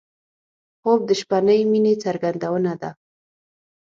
خوب د شپهنۍ مینې څرګندونه ده